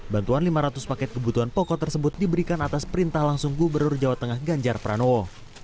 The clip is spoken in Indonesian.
bantuan lima ratus paket kebutuhan pokok tersebut diberikan atas perintah langsung gubernur jawa tengah ganjar pranowo